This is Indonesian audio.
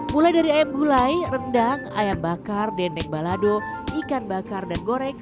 mulai dari ayam gulai rendang ayam bakar dendeng balado ikan bakar dan goreng